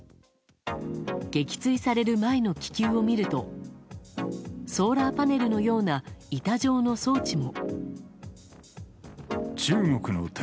撃墜される前の気球を見るとソーラーパネルのような板状の装置も。